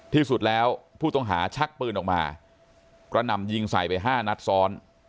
ที่สุดแล้วผู้ต้องหาชักปืนออกมากระหน่ำยิงใส่ไป๕นัดซ้อน